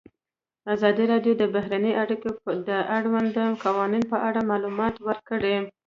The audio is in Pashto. ازادي راډیو د بهرنۍ اړیکې د اړونده قوانینو په اړه معلومات ورکړي.